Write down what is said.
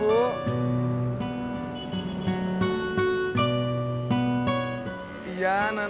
bahkan dieme pasangan kapal